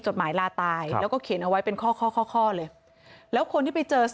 จดหมายลาตายแล้วก็เขียนเอาไว้เป็นข้อข้อเลยแล้วคนที่ไปเจอ